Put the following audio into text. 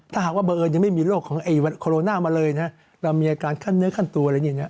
ถ้ายังไม่มีโรคของโคโรนามาเลยเรามีอาการขั้นเนื้อขั้นตัวอะไรเนี่ย